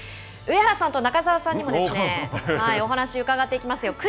上原さんと中澤さんにもお話を伺っていきますよ。